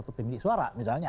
satu pemilik suara misalnya